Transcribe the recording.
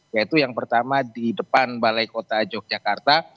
yaitu yang pertama di depan balai kota yogyakarta